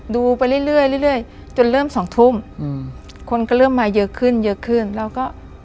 ดูไปเรื่อยเรื่อยจนเริ่มสองทุ่มอืมคนก็เริ่มมาเยอะขึ้นเยอะขึ้นเราก็